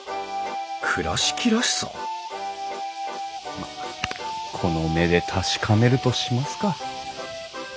まっこの目で確かめるとしますか。